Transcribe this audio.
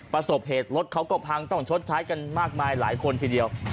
ประสบเหตุรถเขาก็พังต้องชดใช้กันมากมายหลายคนทีเดียว